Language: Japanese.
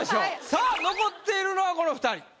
さあ残っているのはこの二人。